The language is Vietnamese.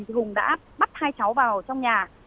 thì hùng đã bắt hai cháu vào trong nhà